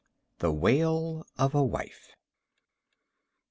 The Wail Of A Wife.